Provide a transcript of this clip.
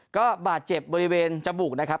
ก็บาดเจ็บบริเวณจมูกนะครับ